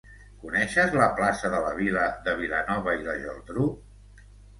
Coneixes la plaça de la vila de Vilanova i la Geltrú?